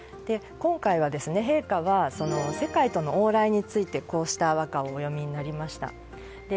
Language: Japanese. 今回は、陛下は世界との往来についてこうした和歌をお詠みになりました。